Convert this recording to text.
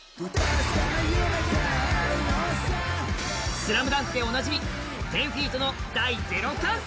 「ＳＬＡＭＤＵＮＫ」でおなじみ、１０−ＦＥＥＴの「第ゼロ感」。